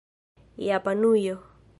japanujo